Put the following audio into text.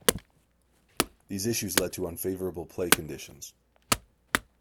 These issues led to unfavorable play conditions.